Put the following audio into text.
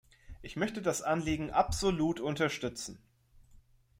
Ich möchte das Anliegen absolut unterstützen.